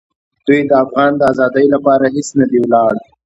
دوی د افغان د آزادۍ لپاره هېڅ نه دي ولاړ.